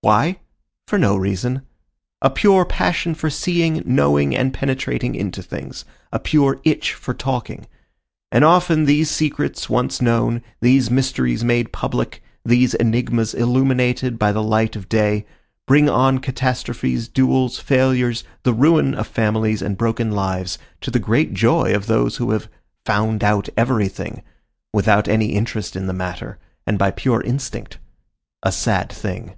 Why? For no reason. A pure passion for seeing, knowing, and penetrating into things. A pure itch for talking. And often these secrets once known, these mysteries made public, these enigmas illuminated by the light of day, bring on catastrophies, duels, failures, the ruin of families, and broken lives, to the great joy of those who have "found out everything," without any interest in the matter, and by pure instinct. A sad thing.